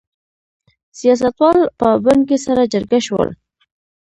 سیاستوال په بن کې سره جرګه شول.